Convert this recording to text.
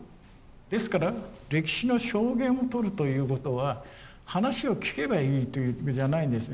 ですから歴史の証言を取るということは話を聞けばいいということじゃないんですね。